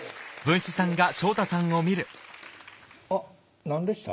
あっ何でした？